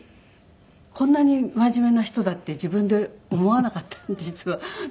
こんなに真面目な人だって自分で思わなかった実は。